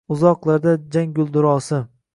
Uzoklarda jang guldurosi